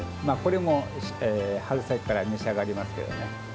これも春先から召し上がれますけどね。